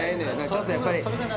ちょっとやっぱり。